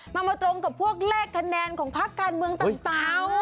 มันมาตรงกับพวกเลขคะแนนของพักการเมืองต่าง